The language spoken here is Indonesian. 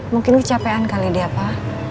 mungkin kecapean kali dia pa